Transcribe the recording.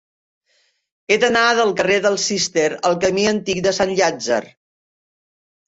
He d'anar del carrer del Cister al camí Antic de Sant Llàtzer.